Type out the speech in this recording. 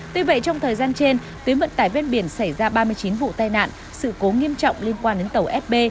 tuy vậy trong thời gian trên tuyến vận tải ven biển xảy ra ba mươi chín vụ tai nạn sự cố nghiêm trọng liên quan đến tàu sb